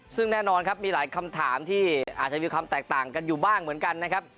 ซึ่งแน่นอนครับมีหลายคำถามที่อาจจะมีความแตกต่างกันอยู่บ้างเหมือนกันนะครับ